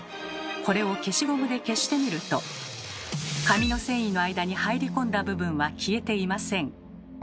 これを消しゴムで消してみると紙の繊維の間に入り込んだ部分は消えていません。